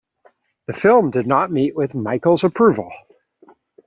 The film did not meet with Mykle's approval.